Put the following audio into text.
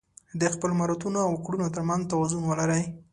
د خپلو مهارتونو او کړنو تر منځ توازن ولرئ.